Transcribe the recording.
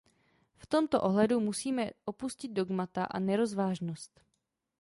V tomto ohledu musíme opustit dogmata a nerozvážnost.